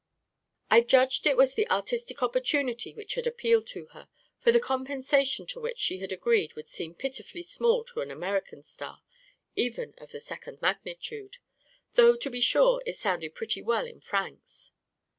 I judged it was the artistic opportunity which had appealed to her, for the compensation to which she had agreed would seem pitifully small to an American star, even of the second magnitude — though, to be sure, it sounded pretty well in francs.